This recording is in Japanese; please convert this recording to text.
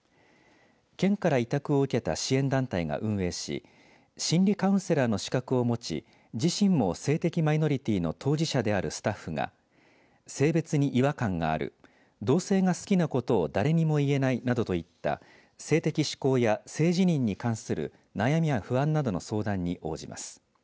県から委託を受けた支援団体が運営し心理カウンセラーの資格を持ち自身も性的マイノリティーの当事者であるスタッフが性別に違和感がある同性が好きなことを誰にも言えないなどといった性的指向や性自認に関する悩みや不安などの相談に応じます。